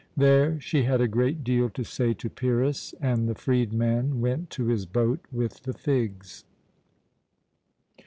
There she had a great deal to say to Pyrrhus, and the freedman went to his boat with the figs.